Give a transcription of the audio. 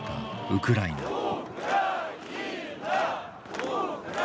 ウクライナより。